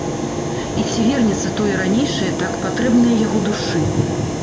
І ці вернецца тое ранейшае, так патрэбнае яго душы?